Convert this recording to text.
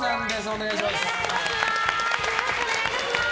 お願いします。